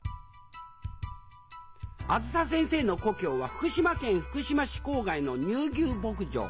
あづさ先生の故郷は福島県福島市郊外の乳牛牧場。